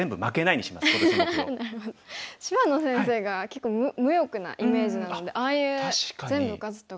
芝野先生が結構無欲なイメージなのでああいう「全部勝つ」とか。